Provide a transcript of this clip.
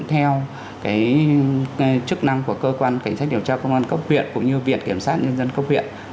theo cái chức năng của cơ quan cảnh sát điều tra cấp huyện cũng như viện kiểm sát nhân dân cấp huyện